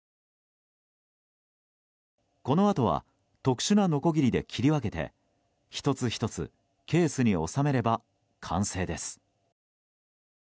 そのあとは特殊なのこぎりで切り分けて１つ１つ、ケースに収めれば完成です。